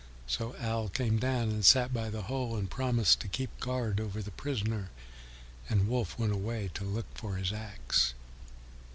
So Owl came down and sat by the hole and promised to keep guard over the prisoner, and Wolf went away to look for his axe.